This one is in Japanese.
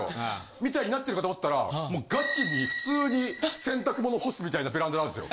みたいになってるかと思ったらもうガチに普通に洗濯物干すみたいなベランダなんですよ。